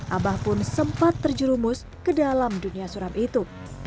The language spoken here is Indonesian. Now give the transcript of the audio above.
abah pun sempat terjerumus ke dalam dunia suram itu